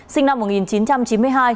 sinh năm một nghìn chín trăm chín mươi hai